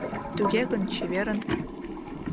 — Туге гын, чеверын.